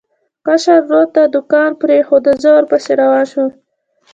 کشر ورور ته دوکان پرېښود او زه ورپسې روان شوم.